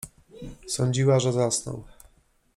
Sądziła, że zasnął.